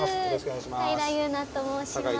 平祐奈と申します。